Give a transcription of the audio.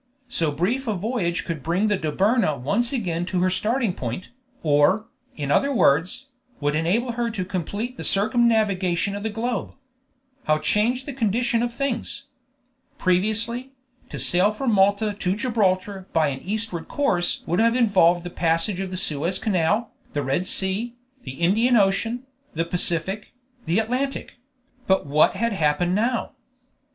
So brief a voyage would bring the Dobryna once again to her starting point, or, in other words, would enable her to complete the circumnavigation of the globe. How changed the condition of things! Previously, to sail from Malta to Gibraltar by an eastward course would have involved the passage of the Suez Canal, the Red Sea, the Indian Ocean, the Pacific, the Atlantic; but what had happened now?